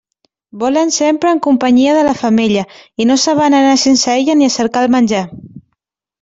Volen sempre en companyia de la femella, i no saben anar sense ella ni a cercar el menjar.